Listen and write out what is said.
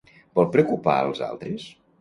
Vol preocupar als altres?